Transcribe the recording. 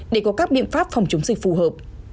để có các biện pháp phòng chống dịch phù hợp